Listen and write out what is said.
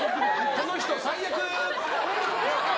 この人最悪！